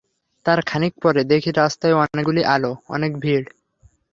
তার খানিক পরে দেখি রাস্তায় অনেকগুলি আলো, অনেক ভিড়।